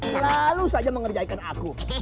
terlalu saja mengerjain aku